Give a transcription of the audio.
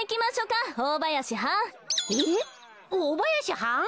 おおばやしはん？